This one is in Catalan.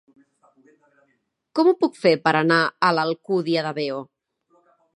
Com ho puc fer per anar a l'Alcúdia de Veo?